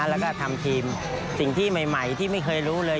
แล้วก็ทำทีมสิ่งที่ใหม่ที่ไม่เคยรู้เลย